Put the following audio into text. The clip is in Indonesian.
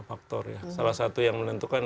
faktor ya salah satu yang menentukan